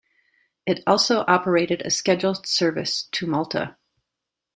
It also operated a scheduled service to Malta.